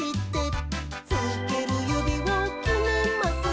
「つけるゆびをきめます」